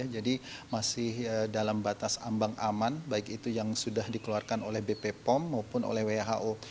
jadi masih dalam batas ambang aman baik itu yang sudah dikeluarkan oleh bp pom maupun oleh who